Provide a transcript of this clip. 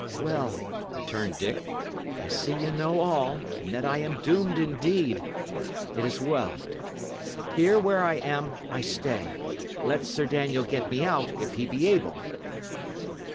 "Well," returned Dick, "I see ye know all, and that I am doomed indeed. It is well. Here, where I am, I stay. Let Sir Daniel get me out if he be able!"